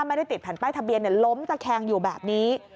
ไม่ได้ติดแผ่นป้ายทะเบียนล้มตะแคงอยู่แบบนี้